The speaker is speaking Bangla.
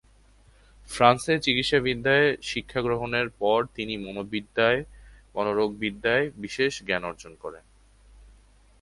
ফ্রান্সে চিকিৎসাবিদ্যায় শিক্ষা গ্রহণের পর তিনি মনোরোগবিদ্যায় বিশেষ জ্ঞান অর্জন করেন।